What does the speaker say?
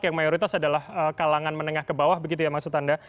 yang mayoritas adalah kalangan menengah ke bawah begitu ya maksud anda